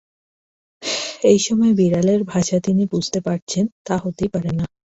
এই সময় বিড়ালের ভাষা তিনি বুঝতে পারছেন, তা হতেই পারে না।